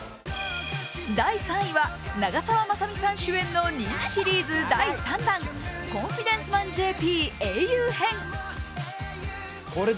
第３位は長澤まさみさん主演の人気シリーズ、第３弾「コンフィデンスマンＪＰ英雄編」。